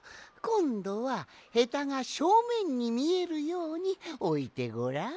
こんどはヘタがしょうめんにみえるようにおいてごらん。